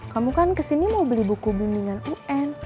kamu kan kesini mau beli buku bumi dengan un